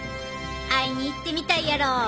会いに行ってみたいやろ？